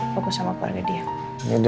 fokus sama keluarga dia